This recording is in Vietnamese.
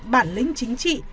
bản lĩnh chính trị